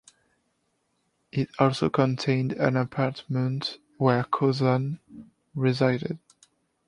It also contained an apartment where Kozan resided.